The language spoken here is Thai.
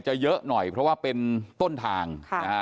เยอะหน่อยเพราะว่าเป็นต้นทาง